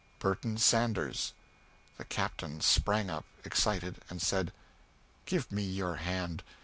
"Burton Sanders." The Captain sprang up, excited, and said, "Give me your hand!